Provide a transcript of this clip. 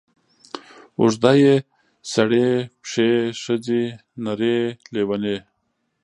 اوږده ې سړې پښې ښځې نرې لېونې